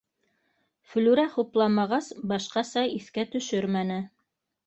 Флүрә хупламағас, башҡаса иҫкә төшөрмәне